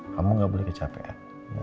kamu gak boleh kecapean